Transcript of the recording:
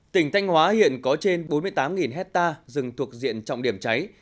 tỉnh thanh hóa hiện có trên bốn mươi tám hectare rừng thuộc diện trọng điểm cháy